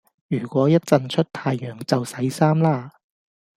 如果一陣出太陽就洗衫啦